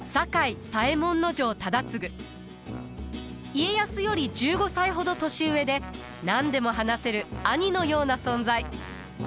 家康より１５歳ほど年上で何でも話せる兄のような存在。